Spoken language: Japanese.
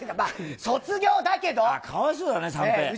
卒業だけかわいそうだね、三平。